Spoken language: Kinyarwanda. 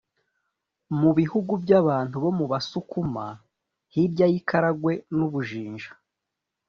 mu bihugu by’abantu bo mu busukuma hirya y’ikaragwe n’u bujinja,